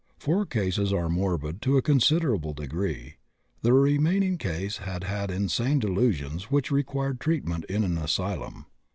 Four cases are morbid to a considerable degree; the remaining case has had insane delusions which required treatment in an asylum.